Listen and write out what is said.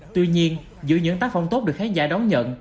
tuy nhiên giữa những tác phẩm tốt được khán giả đón nhận